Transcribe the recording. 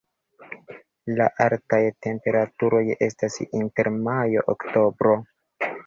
La altaj temperaturoj estas inter majo-oktobro.